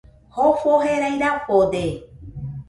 Jofo jerai rafode